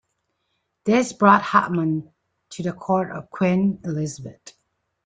This brought Hotman to the court of Queen Elizabeth.